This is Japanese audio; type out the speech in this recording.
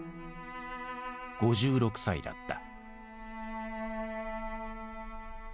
５６歳だった。